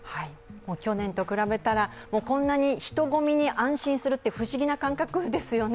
去年と比べたらこんなに人混みに安心するという不思議な感覚ですよね。